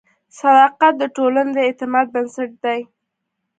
صداقت د ټولنې د اعتماد بنسټ دی.